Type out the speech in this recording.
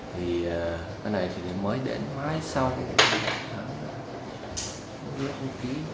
thì cái này thì mới đến mai sau